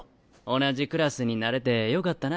同じクラスになれてよかったな。